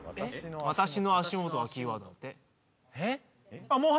「私の足元」がキーワードだってえっ？